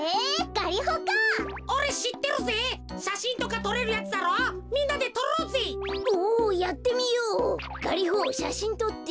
ガリホしゃしんとって。